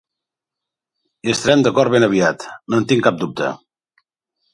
Hi estarem d'acord ben aviat, no en tinc cap dubte!